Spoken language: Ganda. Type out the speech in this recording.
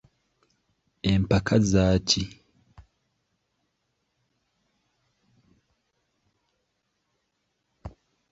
Empaka za ki?